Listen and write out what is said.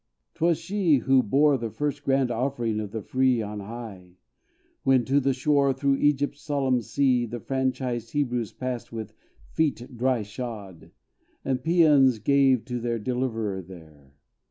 'T was she, who bore The first grand offering of the free, on high, When to the shore, through Egypt's solemn sea, The franchised Hebrews passed with feet dry shod, And pæans gave to their Deliverer there.